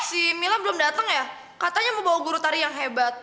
si mila belum datang ya katanya mau bawa guru tari yang hebat